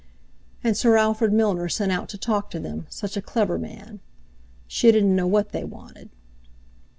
And Sir Alfred Milner sent out to talk to them—such a clever man! She didn't know what they wanted.